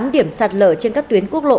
sáu mươi tám điểm sạt lở trên các tuyến quốc lộ